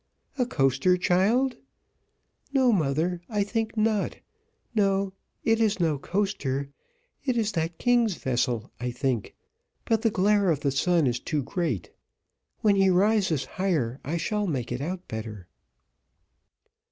"A coaster, child?" "No, mother, I think not. No, it is no coaster it is that king's vessel, I think, but the glare of the sun is too great. When he rises higher I shall make it out better."